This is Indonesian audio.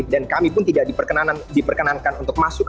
dan kami pun tidak diperkenankan untuk masuk